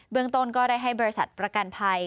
เมืองต้นก็ได้ให้บริษัทประกันภัย